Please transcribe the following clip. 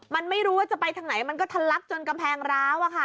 มันไม่รู้ว่าจะไปทางไหนมันก็ทะลักจนกำแพงร้าว